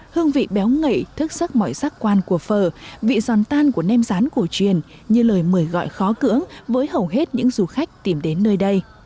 hương vị béo ngậy thức sắc mỏi sắc quan của phở vị giòn tan của nem rán cổ truyền như lời mời gọi khó cưỡng với hầu hết những du khách tìm đến nơi đây